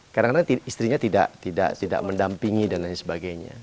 kadang kadang istrinya tidak mendampingi dan lain sebagainya